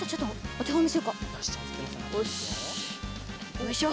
よいしょ！